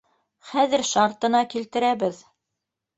Хәҙер шартына килтерәбеҙ.